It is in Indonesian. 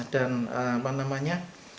dan apa namanya